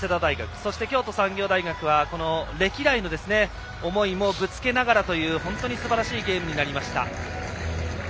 そして、京都産業大学は歴代の思いもぶつけながらというすばらしいゲームになりました。